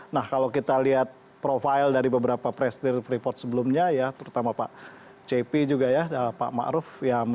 nah kalau kita lihat profil dari beberapa presidir freeport sebelumnya ya terutama pak cepi juga ya pak ⁇ maruf ⁇